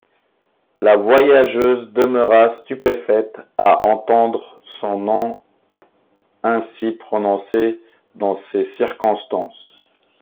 La voyageuse demeura stupéfaite, à entendre son nom ainsi prononcé dans ces circonstances.